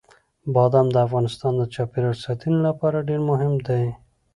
بادام د افغانستان د چاپیریال ساتنې لپاره ډېر مهم دي.